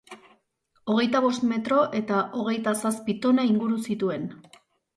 Hogeita bost metro eta hogeita zazpi tona inguru zituen.